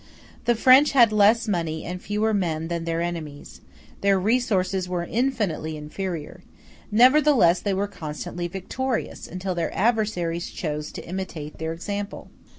The French had less money and fewer men than their enemies; their resources were infinitely inferior; nevertheless they were constantly victorious, until their adversaries chose to imitate their example.